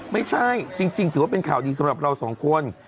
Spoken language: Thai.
ไม่ใช่จริงถือว่าเป็นข่าวดีสำหรับเราสองคน